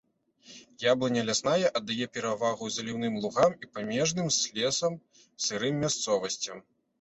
Яблыня лясная аддае перавагу заліўным лугам і памежным з лесам сырым мясцовасцям.